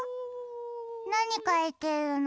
なにかいてるの？